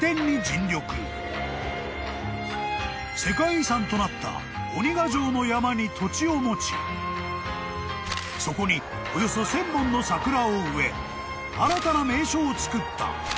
［世界遺産となった鬼ヶ城の山に土地を持ちそこにおよそ１，０００本の桜を植え新たな名所をつくった］